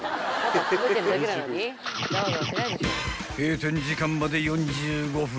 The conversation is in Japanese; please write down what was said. ［閉店時間まで４５分！